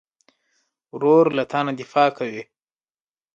ورور له تا نه دفاع کوي.